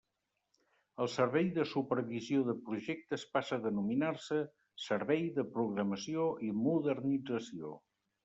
El Servei de Supervisió de Projectes passa a denominar-se Servei de Programació i Modernització.